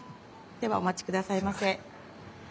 ではお待ちくださいませ。